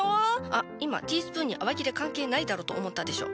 あっ今ティースプーンに洗剤いらねえだろと思ったでしょ。